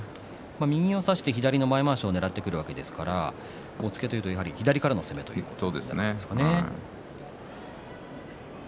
右を差して左の前まわしをねらってくるわけですから左からの攻めということですかね。